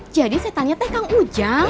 jadi setannya teh kang ujang